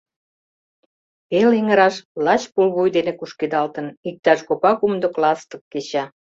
Пел эҥыраш лач пулвуй дене кушкедалтын, иктаж копа кумдык ластык кеча.